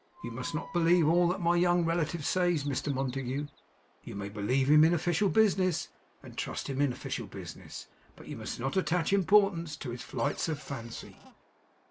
'You must not believe all that my young relative says, Mr Montague. You may believe him in official business, and trust him in official business, but you must not attach importance to his flights of fancy.